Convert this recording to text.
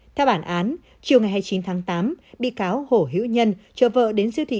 theo bản án chiều ngày hai mươi chín tháng tám bị cáo hổi hữu nhân cho vợ đến siêu thị